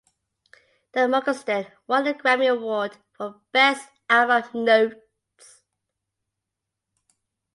Dan Morgenstern won the Grammy Award for Best Album Notes.